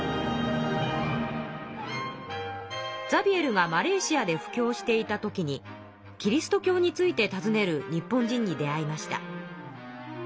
ザビエルがマレーシアで布教していた時にキリスト教についてたずねる日本人に出会いました。